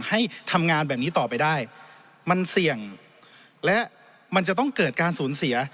ให้ทำงานแบบนี้ต่อไปได้มันเสี่ยงและมันจะต้องเกิดการสูญเสีย